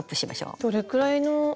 どれくらいの？